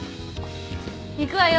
行くわよ